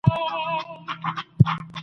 د هغې کیسې په مانا پوه سواست؟